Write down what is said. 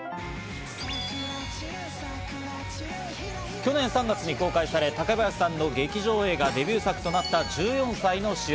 去年３月に公開され竹林さんの劇場映画デビュー作となった『１４歳の栞』。